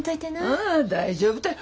うん大丈夫たい。